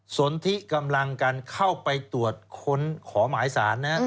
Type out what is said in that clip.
สนทิกำลังกันเข้าไปตรวจค้นขอหมายสารนะครับ